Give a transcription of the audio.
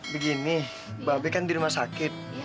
begini mbak abe kan di rumah sakit